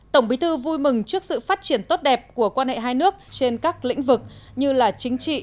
tổng bí thư vui mừng trước sự phát triển tốt đẹp của quan hệ hai nước trên các lĩnh vực như là chính trị